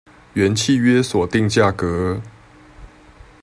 原契約所定價格